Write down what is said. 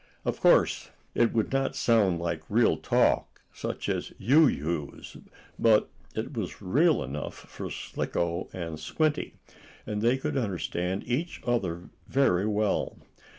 Of course it would not sound like real talk, such as you use, but it was real enough for Slicko and Squinty, and they could understand each other very well.